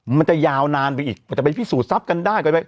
มันจะยาวนานไปอีกมันจะไปพิสูจนทรัพย์กันได้